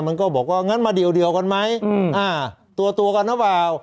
มันก็บอกว่างั้นมาเดียวกันไหมตัวกันหรือเปล่า